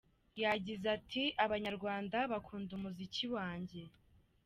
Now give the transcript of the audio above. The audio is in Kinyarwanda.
Yagize ati “Abanyarwanda bakunda umuziki wanjye.